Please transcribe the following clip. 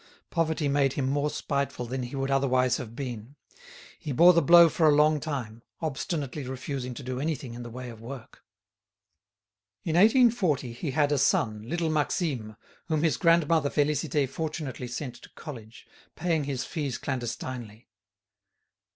Poverty made him more spiteful than he would otherwise have been. He bore the blow for a long time, obstinately refusing to do anything in the way of work. In 1840 he had a son, little Maxime, whom his grandmother Félicité fortunately sent to college, paying his fees clandestinely.